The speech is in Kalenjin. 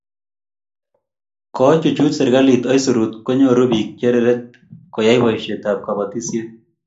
Kochuchuch serkalit aisuru konyoru bik cheret koyai boisietab kobotisiet